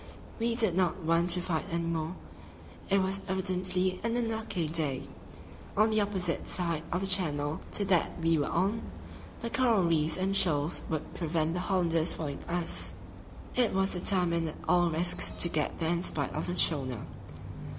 We did not want to fight any more; it was evidently an unlucky day. On the opposite side of the channel to that we were on, the coral reefs and shoals would prevent the Hollanders following us: it was determined at all risks to get there in spite of the schooner.